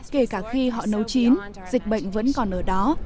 và nấu chín dịch bệnh vẫn còn ở đó